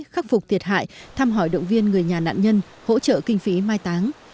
khắc phục thiệt hại thăm hỏi động viên người nhà nạn nhân hỗ trợ kinh phí mai táng